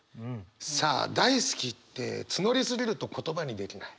さあ大好きって募りすぎると言葉にできない。